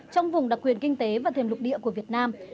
trong vùng đặc quyền kinh tế và thềm lục địa của việt nam